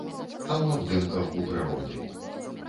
А ў абдымках у прыроды.